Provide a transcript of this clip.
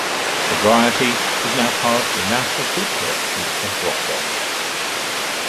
The variety is now part of the National Fruit Collection at Brogdale.